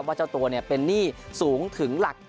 ว่าเจ้าตัวเป็นนี่สูงถึงหลัค๗